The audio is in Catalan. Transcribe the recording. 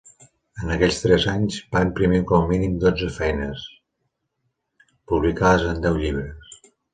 En aquells tres anys, va imprimir com a mínim dotze feines, publicades en deu llibres.